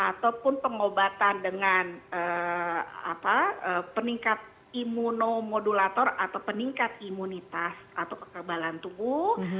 ataupun pengobatan dengan peningkat imunomodulator atau peningkat imunitas atau kekebalan tubuh